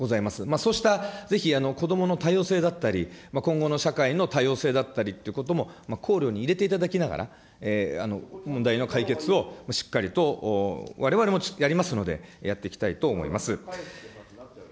そうしたぜひ子どもの多様性だったり、今後の社会の多様性だったりっていうことも考慮に入れていただきながら、問題の解決をしっかりと、われわれもやりますので、やっていきたいと思います。